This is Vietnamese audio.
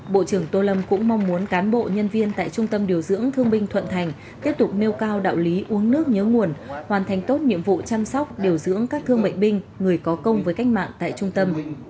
bộ trưởng tô lâm cũng mong muốn cán bộ nhân viên tại trung tâm điều dưỡng thương binh thuận thành tiếp tục nêu cao đạo lý uống nước nhớ nguồn hoàn thành tốt nhiệm vụ chăm sóc điều dưỡng các thương bệnh binh người có công với cách mạng tại trung tâm